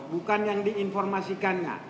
bukan yang diinformasikannya